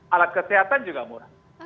alat kesehatan juga murah